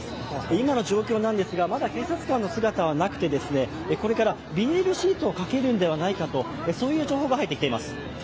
今の状況なんですが、まだ警察官の姿はなくてこれからビニールシートをかけるんではないかという情報が入ってきています。